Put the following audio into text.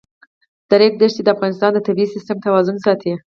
د ریګ دښتې د افغانستان د طبعي سیسټم توازن ساتي.